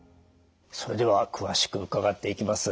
それでは詳しく伺っていきます。